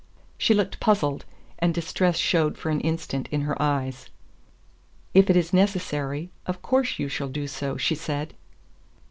She looked puzzled, and distress showed for an instant in her eyes. "If it is necessary, of course you shall do so," she said.